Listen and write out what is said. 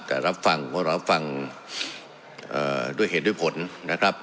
แต่รับฟังก็รับฟังด้วยเหตุด้วยผลนะครับ